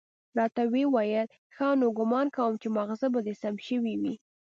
راته ويې ويل ښه نو ګومان کوم چې ماغزه به دې سم شوي وي.